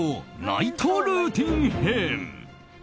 ナイトルーティン編。